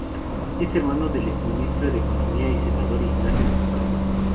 Es hermano del exministro de Economía y senador Ignacio de Posadas.